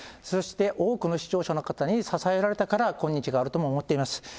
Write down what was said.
そして多くの視聴者の方に支えられたから、今日があるとも思ってます。